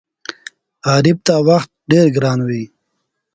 غریب ته وخت ډېر ګران وي